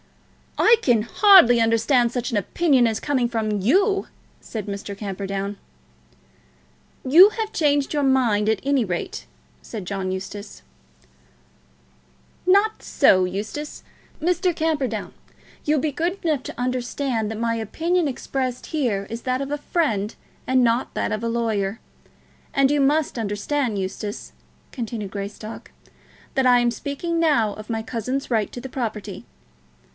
"I can hardly understand such an opinion as coming from you," said Mr. Camperdown. "You have changed your mind, at any rate," said John Eustace. "Not so, Eustace. Mr. Camperdown, you'll be good enough to understand that my opinion expressed here is that of a friend, and not that of a lawyer. And you must understand, Eustace," continued Greystock, "that I am speaking now of my cousin's right to the property.